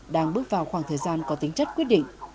đang bước vào khoảng thời gian có tính chất quyết định